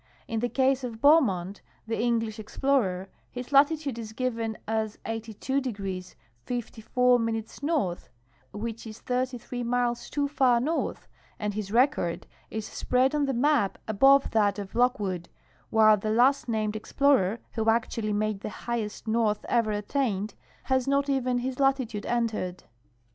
In the case of Beaumont, the English explorer, his latitude is given as 82° 54' north, which is 33 miles too far north, and his record is s])read on the maj) above that of Lockwood, while the last named explorer, who actually made' the highest north ever attained, has not even his latitude entered.